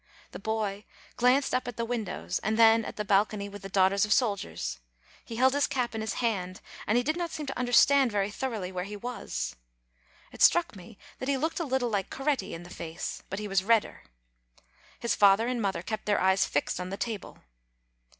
The boy glanced up at the windows, and then at the balcony with the Daughters of Soldiers; he held his cap in his hand, and did not seem to understand very thoroughly where he was. It struck me that he looked a little like Coretti, in the face; but he was redder. His father and mother kept their eyes fixed on the table.